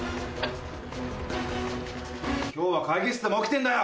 今日は会議室でも起きてんだよ！